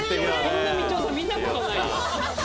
こんなみちおさん見た事ないよ。